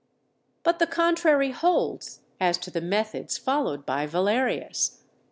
But the contrary holds as to the methods followed by Valerius.